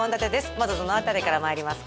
まずどの辺りからまいりますか？